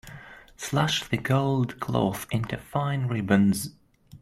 Slash the gold cloth into fine ribbons.